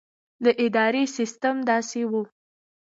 د ادارې سسټم داسې وو.